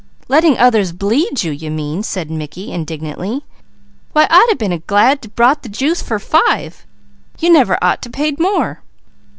"Letting others bleed you, you mean," said Mickey indignantly. "Why I'd a been glad to brought the juice for five! You never ought to paid more."